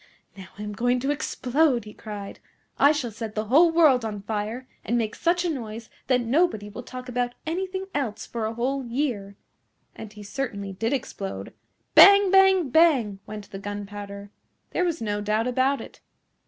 "Now I am going to explode," he cried. "I shall set the whole world on fire, and make such a noise that nobody will talk about anything else for a whole year." And he certainly did explode. Bang! Bang! Bang! went the gunpowder. There was no doubt about it.